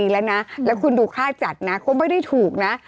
แล้วคุณลูกคะจัดนะคงไม่ได้ถูกนะ